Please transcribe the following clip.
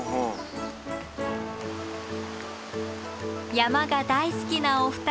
山が大好きなお二人。